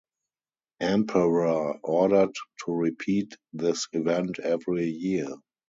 Emperor ordered to repeat this event every year.